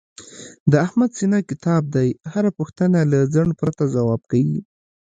د احمد سینه کتاب دی، هره پوښتنه له ځنډ پرته ځواب کوي.